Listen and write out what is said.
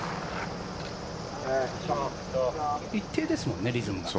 一定ですもんね、リズムが。